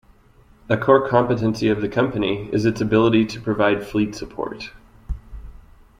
A core competency of the company is its ability to provide fleet support.